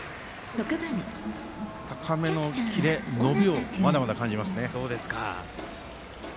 高めのキレ、伸びをまだまだ感じますね。